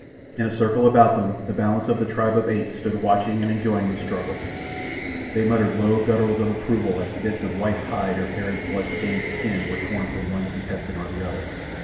In a circle about them the balance of the tribe of apes stood watching and enjoying the struggle. They muttered low gutturals of approval as bits of white hide or hairy bloodstained skin were torn from one contestant or the other.